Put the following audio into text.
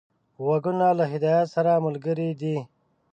غوږونه له هدایت سره ملګري دي